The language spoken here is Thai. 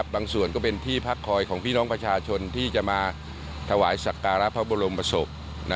ส่วนก็เป็นที่พักคอยของพี่น้องประชาชนที่จะมาถวายสักการะพระบรมศพ